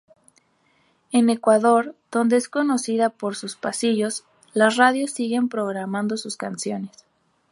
En Ecuador, donde es conocida por sus pasillos, las radios siguen programando sus canciones.